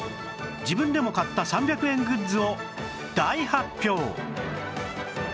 自分でも買った３００円グッズを大発表